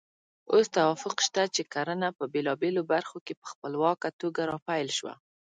اوس توافق شته چې کرنه په بېلابېلو برخو کې په خپلواکه توګه راپیل شوه.